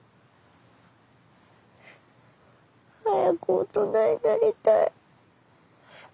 早く大人になりたい。